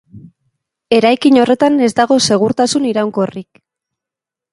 Eraikin horretan ez dago segurtasun iraunkorrik.